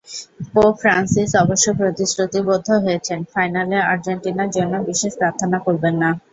Pope Francis অবশ্য প্রতিশ্রুতিবদ্ধ হয়েছেন, ফাইনালে আর্জেন্টিনার জন্য বিশেষ প্রার্থনা করবেন না।